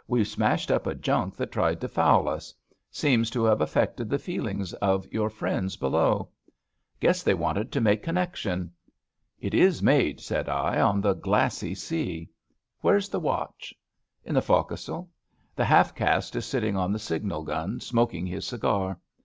* WeVe smashed up a junk that tried to foul us. Seems to have affected the feelings of your friends be EEASTASIUS OF THE WHANGHOA 11 low. Guess they wanted to make connection.' * It is made,' said I, * on the Glassy Sea. Where's the watch? '* In the fo'c'sle. The half caste is sitting on the signal gun smoking his cigar.